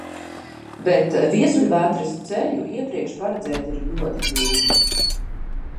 Bet viesuļvētras ceļu iepriekš paredzēt ir ļoti grūti.